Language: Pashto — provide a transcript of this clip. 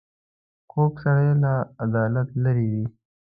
کوږ سړی له عدالت لیرې وي